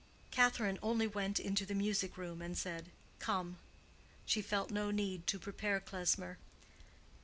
Catherine only went into the music room and said, "Come." She felt no need to prepare Klesmer.